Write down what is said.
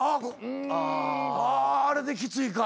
ああれできついか。